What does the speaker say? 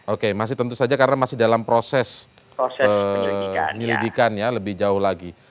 oke masih tentu saja karena masih dalam proses penyelidikan ya lebih jauh lagi